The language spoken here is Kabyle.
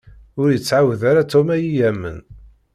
Ur ittɛawed ara Tom ad yi-yamen.